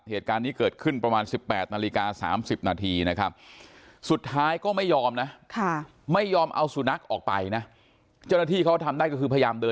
เหตุการณ์นี้เกิดขึ้นประมาณ๑๘นาฬิกา๓๐นาทีนะครับ